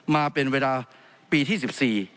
มาเป็นเวลาปี๑๔